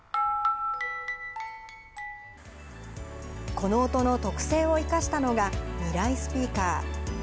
この音の特性を生かしたのが、ミライスピーカー。